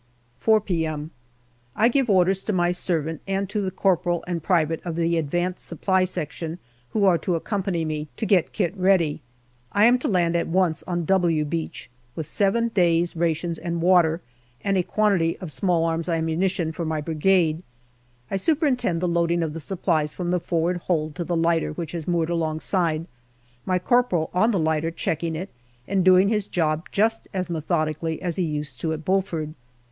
APRIL 35 4 p.m. I give orders to my servant and to the corporal and private of the advanced Supply Section, who are to accom pany me, to get kit ready. I am to land at once on " W " Beach with seven days' rations and water, and a quantity of S.A. ammunition for my Brigade. I superintend the loading of the supplies from the forward hold to the lighter which has moored alongside, my corporal on the lighter checking it, and doing his job just as methodically as he used to at Bulford.